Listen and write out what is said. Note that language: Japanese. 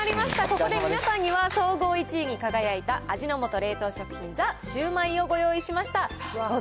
ここで皆さんには、総合１位に輝いた味の素冷凍食品のザ・シュウマイをご用意しました。